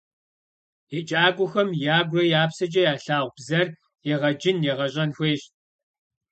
Еджакӏуэхэм ягурэ я псэкӏэ ялъагъу бзэр егъэджын, егъэщӏэн хуейщ.